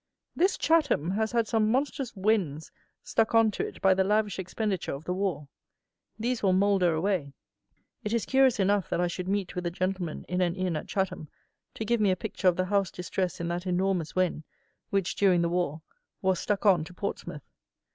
This Chatham has had some monstrous wens stuck on to it by the lavish expenditure of the war. These will moulder away. It is curious enough that I should meet with a gentleman in an inn at Chatham to give me a picture of the house distress in that enormous wen, which, during the war, was stuck on to Portsmouth.